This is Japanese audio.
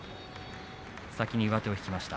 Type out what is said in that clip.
先に上手を引きました。